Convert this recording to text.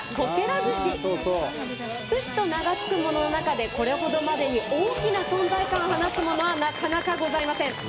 寿司と名が付くものの中でこれほどまでに大きな存在感を放つものはなかなかございません。